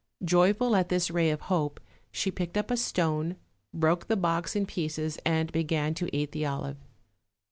Joyful at this ray of hope, she picked up a stone, broke the box in pieces and began to eat the olive.